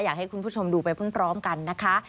อยากให้คุณผู้ชมดูไปพร้อมกันนะคะ